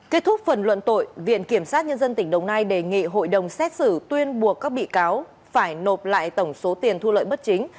kết thúc phần luận tội viện kiểm sát nhân dân tỉnh đồng nai đề nghị hội đồng xét xử tuyên buộc các bị cáo phải nộp lại tổng số tiền thu lợi bất chính